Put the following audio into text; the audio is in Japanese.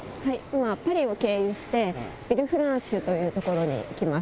今、パリを経由して、ヴィルフランシュという所に行きます。